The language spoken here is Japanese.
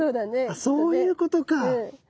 あそういうことか。